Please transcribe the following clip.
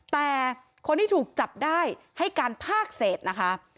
แต่คนที่ถูกจับได้ให้การภาคเศษนะคะ